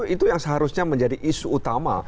itu yang seharusnya menjadi isu utama